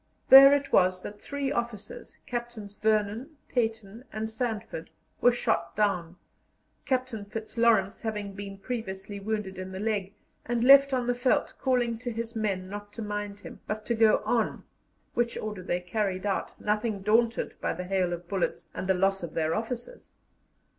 There it was that three officers Captains Vernon, Paton, and Sandford were shot down, Captain Fitzclarence having been previously wounded in the leg, and left on the veldt calling to his men not to mind him, but to go on, which order they carried out, nothing daunted by the hail of bullets and the loss of their officers.